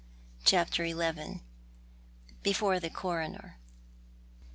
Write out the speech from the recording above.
CHAPTER XL BEFORE THE COKONER.